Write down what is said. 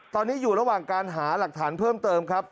ตอนนี้อยู่ระหว่างการหาหลักฐานเพิ่มเติมครับ